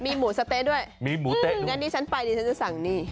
มีหมูสะเต๊ด้วยงั้นดิฉันไปดิฉันจะสั่งนี่